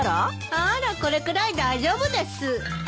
あらこれくらい大丈夫です。